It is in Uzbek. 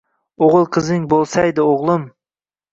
O’g’il-qizing bo’lsaydi, o’g’lim